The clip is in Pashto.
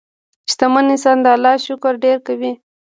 شتمن انسان د الله شکر ډېر کوي.